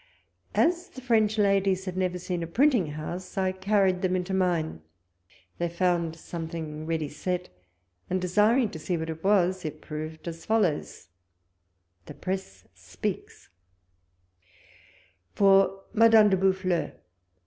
As the French ladies had never seen a printing house, I carried them into mine ; they found something ready set, and desiring to see what it was, it proved as foUow s :— The Press speaks — FOR Madame De Boufflers.